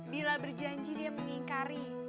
bila berjanji dia mengingkari